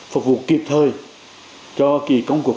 phục vụ kịp thời cho cái công